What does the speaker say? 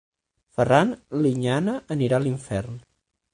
"Ferran Liñana: anirà a l'infern".